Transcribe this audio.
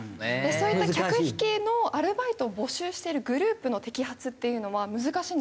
そういった客引きのアルバイトを募集してるグループの摘発っていうのは難しいんですか？